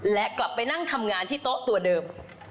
และกลับไปนั่งทำงานที่โต๊ะตัวเดิม